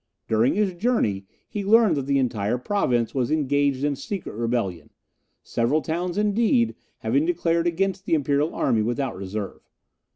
During his journey he learned that the entire Province was engaged in secret rebellion, several towns, indeed, having declared against the Imperial army without reserve.